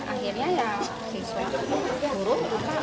akhirnya ya siswa turun